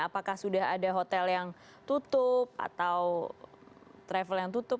apakah sudah ada hotel yang tutup atau travel yang tutup